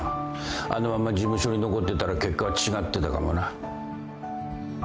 あのまま事務所に残ってたら結果は違ってたかもな。